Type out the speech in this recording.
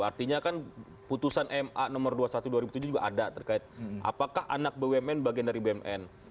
artinya kan putusan ma nomor dua puluh satu dua ribu tujuh juga ada terkait apakah anak bumn bagian dari bumn